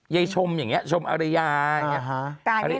ใยชมอย่างเงี้ยชมอริยาอย่างเงี้ย